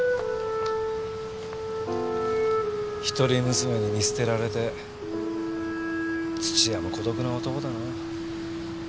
一人娘に見捨てられて土屋も孤独な男だな。